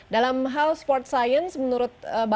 dalam hal sport science menurut bapak bagaimana pemerintah